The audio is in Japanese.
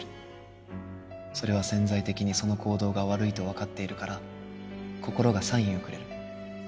それは潜在的にその行動が悪いとわかっているから心がサインをくれる。